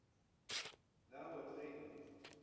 nav ha tregont.